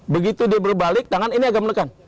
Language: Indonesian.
begitu dia berbalik tangan ini agak menekan